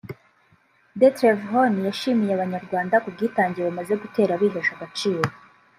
DetlevHöhne yashimiye Abanyarwanda ku bw’intambwe bamaze gutera bihesha agaciro